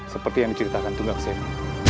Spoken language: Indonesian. seperti yang diceritakan tunggak semi